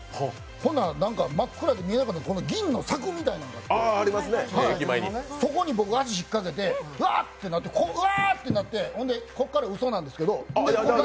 ほんなら真っ暗で見えなくて銀の柵みたいなのがあってそこに僕、足引っかけてワッてなって、ここからうそなんですけど。